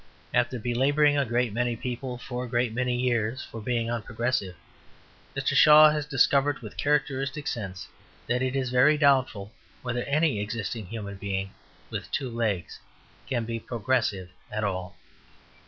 After belabouring a great many people for a great many years for being unprogressive, Mr. Shaw has discovered, with characteristic sense, that it is very doubtful whether any existing human being with two legs can be progressive at all.